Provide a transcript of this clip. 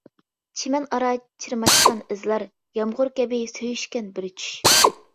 چىمەن ئارا چىرماشقان ئىزلار، يامغۇر كەبى سۆيۈشكەن بىر چۈش.